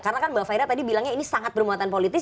karena kan mbak faira tadi bilangnya ini sangat bermuatan politis